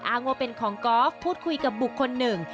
อ้างว่าเป็นของกอล์ฟพูดคุยกับบุคคลหนึ่ง